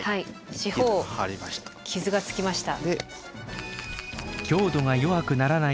四方傷がつきました。